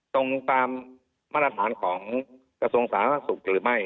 ตรงตามมาตรฐานของกระทรวงสาธารณสุขหรือไม่